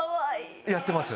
やってます。